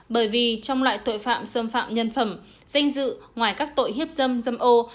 bởi vì trong loại tội phạm xâm phạm nhân phẩm danh dự ngoài các tội hiếp dâm dâm ô